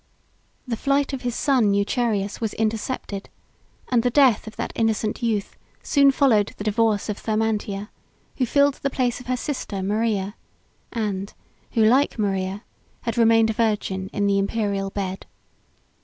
The flight of his son Eucherius was intercepted; and the death of that innocent youth soon followed the divorce of Thermantia, who filled the place of her sister Maria; and who, like Maria, had remained a virgin in the Imperial bed.